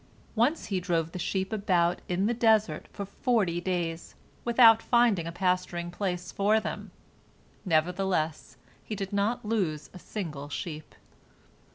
Once he drove the sheep about in the desert for forty days, without finding a pasturing place for them. Nevertheless he did not lose a single sheep.